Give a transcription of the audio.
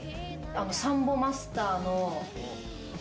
サンボマスターの。